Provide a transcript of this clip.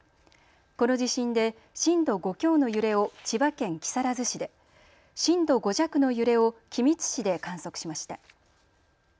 この地震で震度５強の揺れを千葉県木更津市で、震度５弱の揺れを君津市で観測しました。